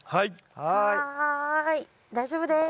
はい大丈夫です。